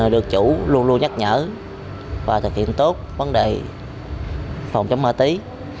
được chủ luôn luôn nhắc nhở và thực hiện tốt vấn đề phòng chống ma túy